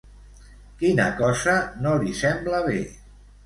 Quina cosa no li sembla bé?